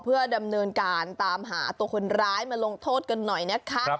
เพื่อดำเนินการตามหาตัวคนร้ายมาลงโทษกันหน่อยนะคะ